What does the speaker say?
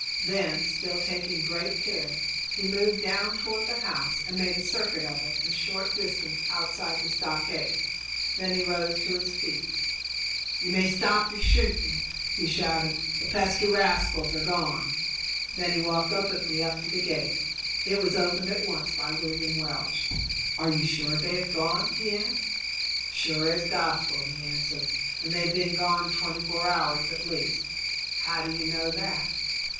Then, still taking great care, he moved down toward the house and made a circuit of it a short distance outside the stockade; then he rose to his feet. "Yer may stop shooting," he shouted. "The pesky rascals are gone." Then he walked openly up to the gate; it was opened at once by William Welch. "Are you sure they have gone?" he asked. "Sure as gospel," he answered, "and they've been gone twenty four hours at least." "How do you know that?"